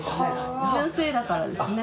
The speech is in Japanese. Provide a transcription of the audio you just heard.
純正だからですね。